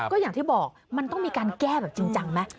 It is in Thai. ก็อย่างที่บอกมันต้องมีการแก้แบบจริงจังไหม